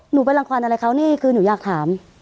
หนูไปรังควรอะไรเขานี่คือหนูอยากถาม